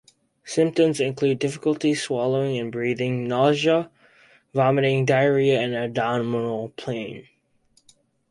Symptoms include difficulty swallowing and breathing, nausea, vomiting, diarrhea, and abdominal pain.